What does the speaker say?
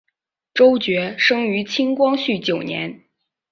周珏生于清光绪九年。